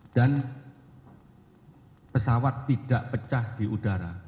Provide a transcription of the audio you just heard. dan pesawat tidak pecah di udara